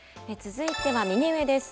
続いては右上です。